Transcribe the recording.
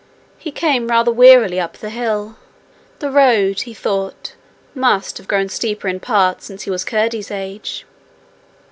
He came rather wearily up the hill: the road, he thought, must have grown steeper in parts since he was Curdie's age.